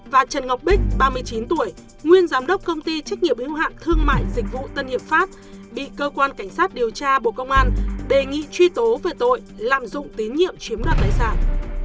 và trần ngọc bích ba mươi chín tuổi nguyên giám đốc công ty trách nhiệm hữu hạn thương mại dịch vụ tân hiệp pháp bị cơ quan cảnh sát điều tra bộ công an đề nghị truy tố về tội lạm dụng tín nhiệm chiếm đoạt tài sản